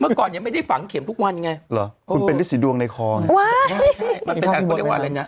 เมื่อก่อนยังไม่ได้ฝังเข็มทุกวันไงหรอคุณเป็นฤทธิ์ดวงในคอไงใช่มันเป็นอะไรวะ